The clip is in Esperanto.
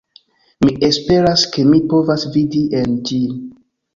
Mi esperas, ke mi povas vidi en ĝin